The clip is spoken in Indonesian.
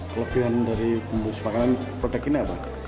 kelebihan dari bumbu makanan produk ini apa